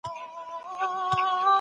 ټول ځنگل به د اورونو شراره شي